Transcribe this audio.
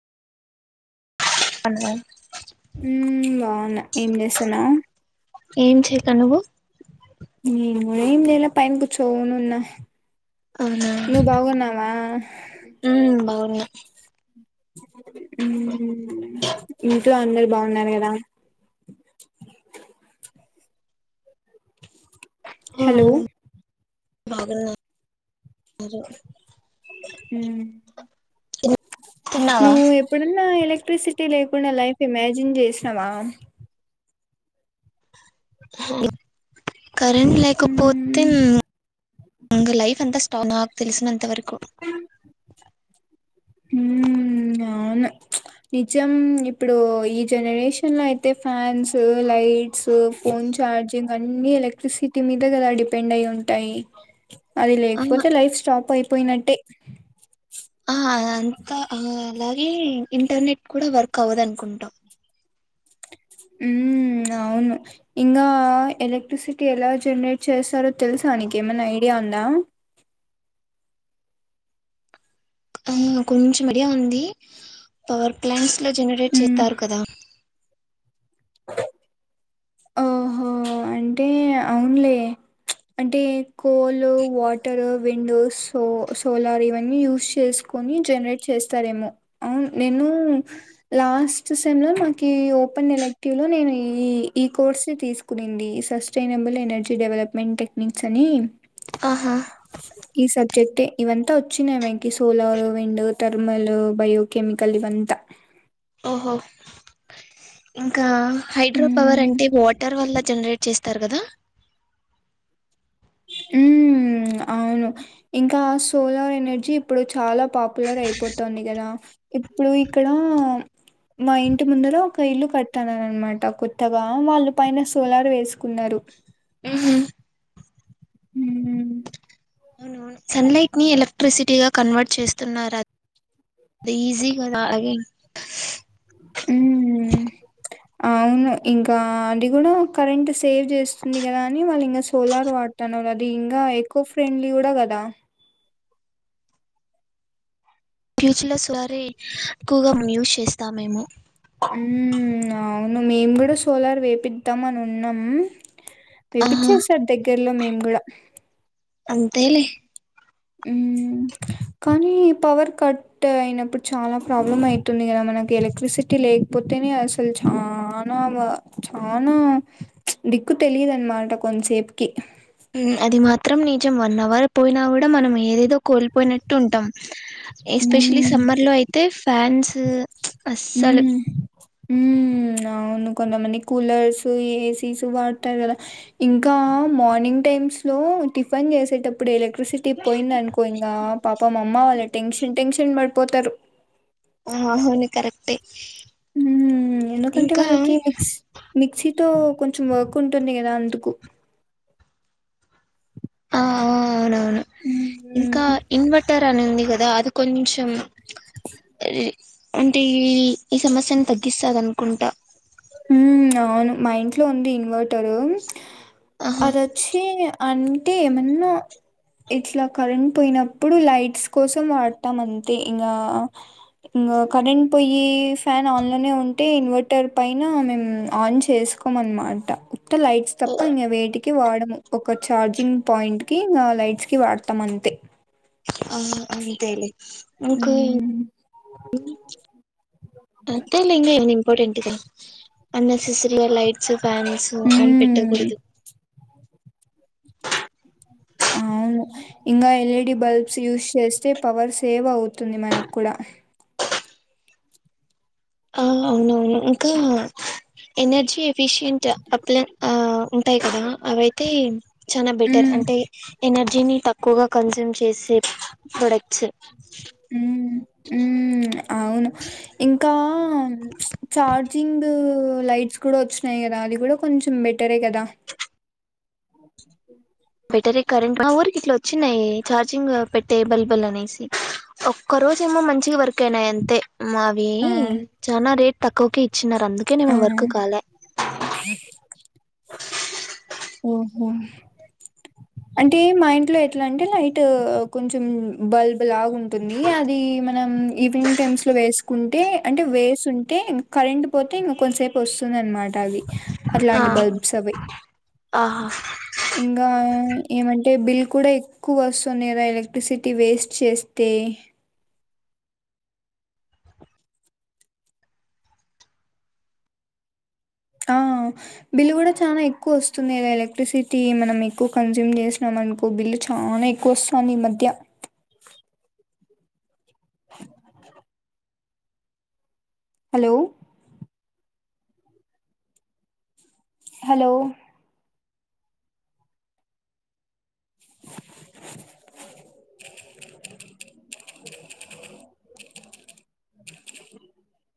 పన్నదా ఊ బావున్న ఏం చేసున్నవ్ తనువు నేన్ కూడా ఇంగ ఇలా పయన్ కూచోనున్న అవునా నువ్వు బాగున్నావా ఉమ్ బాగున్నా ఊ ఇప్ ట్లో అందరు బాగున్నారు కదా హలో బాగున్నా మీరు నువ్ ఎప్పుడన్నా ఎలక్ క్ట్రిసిటీ లేకుండా లైఫ్ ని ఇమాజిన్ చేసినవ ఆ కరెంట్ లేకపోతే మ్మ్ ఇంగ లైఫ్ అంతా స్టా నాకు తెలుసినంత వరకు ఊ అవును నిజం ఇప్పుడు ఈ జనరేషన్ లో అయితే ఫ్యాన్స్ లైట్స్ ఫోన్ చార్జింగ్ అన్ని ఎలక్ట్రిసిటీ మీద కదా డిపెండ్ అయి ఉంటాయి అది ఆ లేకపోతే లైఫ్ స్టాప్ అయిపోయినట్టే ఆ అదంతా అలాగే ఇంటర్నెట్ కూడా వర్క్ అవ్వదు అనుకుంట ఊ అవును ఇంకా ఎలక్ట్రిసిటీ ఎలా జనరేట్ చేస్తారో తెలుసా అ నీకేమన్నా ఐడియా ఉందా ఆ కొంచెం ఐడియా ఉంది పవర్ ప్లాంట్స్ ట్ లో జనరేట్ ఉమ్ చేస్తారు కదా ఓహో అంటే అవునులే అంటే coal water windows so solar ఇవన్నీ యూస్ చేసు కొని జనరేట్ చేస్తారేమో అ నేను లాస్ట్ సెమ్ లో మాకి ఒ ఓపెన్ ఎలక్టివ్ లో నేను ఈ ఈ కోర్స్ తీసుకునింది సస్టైనబుల్ ఎనర్జీ డెవలప్మెంట్ టెక్నిక్స్ అని ఆహా ఈ సబ్జెక్ట్ ఇవంతా వచ్చినాయి వెంకి సోలార్ విండ్ థర్మల్ బయోకెమికల్ ఇవంతా ద్ద ఓహో ఇంకా హైడ్రో పవర్ మ్మ్ అంటే వాటర్ వల్ల జనరేట్ చేస్తారు కదా ఊ ఊ అవును ఇంకా సోలార్ ఎనర్జీ ఇప్పుడు చాలా పాపులర్ అయిపోతుంది గదా ఇప్పుడు ఇక్కడ మా ఇంటి ముందుర ఒక ఇల్లు కట్టార అన్నమాట కొత్తగా వాళ్ళు పైన సోలార్ వేసుకున్నారు ఉహు ఉమ్ సన్ లైట్ ని ఎల ఎలక్ట్రిసిటీగా కన్వర్ట్ చేస్తున్నారు అ ఈజీ గదా అ మ్మ్ అవును ఇంకా అది గూడా కరెంట్ సేవ్ జేస్తుంది గదా అని వాళ్ళు ఇంకా సోలార్ వాడుతున్నారు అది ఇంగా ఎక్కువ ఫ్రెండ్లీ గూడ గదా ఫ్యూచర్లో సోలారే ఎక్కువగా యూజ్ చేస్తామేమో మ్ అవును మేము కూడా సోలార్ వేపిద్దాం అని ఉన్నాం ఆహా వెప్పించేశార్ దగ్గర్లో మేం గూడా అంతేలే ఉమ్ కానీ పవర్ కట్ అయినప్పుడు చాలా ప్రాబ్లమ్ అయితుంది గదా మనకి ఎలక్ట్రిసిటీ లే కపోతేనే అసలు చానా చానా దిక్కు తెలియదు అన్నమాట కొంతసేపుకి మ్ అది మాత్రం నిజం వన్ అవర్ పోయినా గూడా మనం ఏదేదో కోల్పోయినట్టు ఉంటాం ఎస్ స్పెషలీ హ్మ్ సమ్మర్ లో అయితే ఫ్యాన్స్ అస్సలు మ్ మ్ అవును కొంతమంది కూలర్స్ ఏసీస్ వాడతారు గదా ఇంకా మార్నింగ్ టైం టైమ్స్ లో టిఫిన్ చేసేటప్పుడు ఎల క్ట్రిసిటీ పోయిందనుకో ఇంగా పాపం అమ్మ వాళ్ళు టెన్షన్ టెన్షన్ పడిపోతారు ఆ అవును కరెక్టే మ్ ఎందుకంటే ఇంకా వాళ్ళకి మిక్స్ మిక్సీ తో కొంచెం వర్క్ ఉంటుంది గదా అందుకు ఆ అవునవును హ్మ్ ఇంకా ఇన్వర్టర్ అని ఉంది గదా అది కొంచెం అంటే ఈ ఈ సమస్యను తగ్గిస్తదనుకుంటా మ్ అవును మా ఇంట్లో ఉంది ఇన్వర్టరు ఆహా అదొచ్చి అంటే ఏమన్నా ఇట్లా కరెంట్ పోయినప్పుడు లైట్స్ కోసం వాడతాం అంతే ఇంగా కరెంట్ పోయి ఫ్యాన్ ఆన్ లోనే ఉంటే ఇన్వర్టర్ పై మేము ఆన్ చేసుకోం అన్నమాట ఉత్త లైట్స్ తప్ప ఇం వేటికి వాడము ఒక చ చార్జింగ్ పాయింట్ కి లైట్స్ కి వాడతాం అంతే అంతే ఇంక అంతేలే ఇంగ ఇంపార్టెంట్ గా అన్ నెస్సెసరీ లైట్స్ ఫ్యాన్స్ అని మ్మ్ పెట్టకూడదు అవును ఇంకా ఎల్ఈడి బల్బ్స్ యూజ్ చేస్తే పవర్ సేవ్ అవుతుంది మనకు కూడా ఆ అవునవును ఇంకా ఎనర్జీ ఎఫిషియంట్ అప్ల ఆ ఉంటాయి కదా అవైతే చానా బెటర్ మ్మ్ అంటే ఎనర్జీని తక్కువగా కన్జూమ్ చేసే ప్రొడక్ట్స్ హ్మ్ హ్మ్ అవును ఇంకా చార్జింగ్ లైట్స్ కూడా వచ్చినయి గదా అది కూడా కొంచెం బెటరే గదా బెటరే కరెంట్ మా ఊరు ఇట్లా వచ్చినాయి చార్జింగ్ పెట్టే బల్బుల్ అనేసి ఒక్కరు రోజేమో మంచిగా వర్క్ అయినాయి అంతే అవి ఆ చానా రేట్ తక్కువకి ఇ ఇచ్చినరు అందుకే ఆ నేమో వర్క్ కాలే ఓహో అంటే మా ఇంట్లో ఎట్లా అంటే లైట్ కొంచెం బల్బ్ లాగా ఉంటు ది అది మా మనం ఈవినింగ్ టైమ్స్లో వేసుకుంటే అంటే వేసు ఉంటే కరెంట్ పోతే ఇంక కొంతసేపు వస్తుంది అనమాట అవి ఆ అట్లాంటి బల్బ్స్ అవి ఆహా ఇంకా ఏమంటే బిల్ కూడ ఎక్కువ వస్తుందిద ఎలక్ట్రిసిటీ వేస్ట్ చేస్తే ఆ బిల్ కూడ చాన ఎక్కువ వస్తుందిదా ఎలక్ట్రిసిటీ మనం ఎక్కువ కన్స్యూమ్ చేసినాము అనుకో బిల్లు చాన ఎక్కువ వస్తుంది ఈ మధ్య హలో హలో